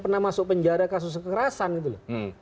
pernah masuk penjara kasus kekerasan gitu loh